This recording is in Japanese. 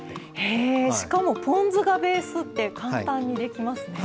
へえしかもポン酢がベースって簡単にできますね。